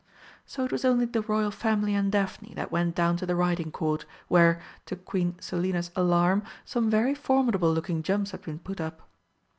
So it was only the Royal family and Daphne that went down to the Riding Court, where, to Queen Selina's alarm, some very formidable looking jumps had been put up.